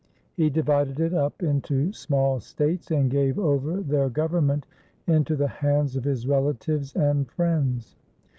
He divided it up into small States, and gave over their government into the hands of his relatives and friends.